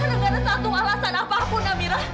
tidak ada satu alasan apapun amira